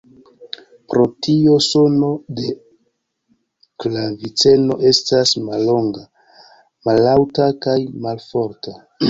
Pro tio sono de klaviceno estas mallonga, mallaŭta kaj malforta.